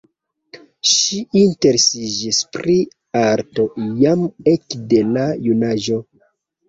Ŝi interesiĝis pri arto jam ekde la junaĝo.